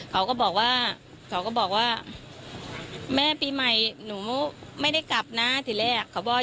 เขาก็บอกว่าแม่ปีใหม่หนูไม่ได้กลับนะทีแรก